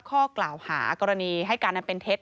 ข้อกล่าวหากรณีให้การอันเป็นเท็จ